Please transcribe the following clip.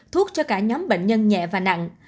thuốc cho cả nhóm bệnh nhân nhẹ và nặng